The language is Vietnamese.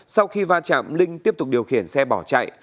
sau khi va chạm linh tiếp tục điều khiển xe bỏ chạy